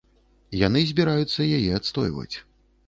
Яны збіраюцца яе адстойваць.